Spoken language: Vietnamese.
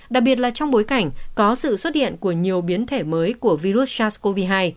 đặc biệt là trong bối cảnh có sự xuất hiện của nhiều biến thể mới của virus sars cov hai